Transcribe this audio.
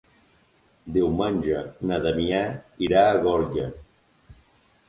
Diumenge na Damià irà a Gorga.